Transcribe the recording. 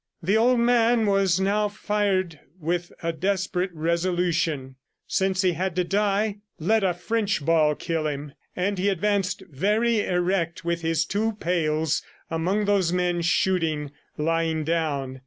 The old man was now fired with a desperate resolution; since he had to die, let a French ball kill him! And he advanced very erect with his two pails among those men shooting, lying down.